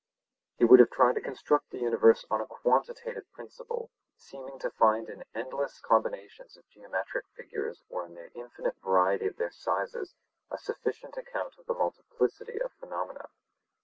He would have tried to construct the universe on a quantitative principle, seeming to find in endless combinations of geometrical figures or in the infinite variety of their sizes a sufficient account of the multiplicity of phenomena.